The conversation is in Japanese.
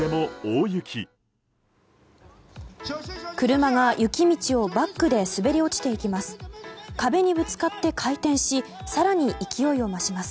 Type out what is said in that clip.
車が雪道をバックで滑り落ちていきます。